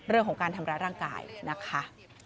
เรื่องของการทำร้ายร่างกายนะคะ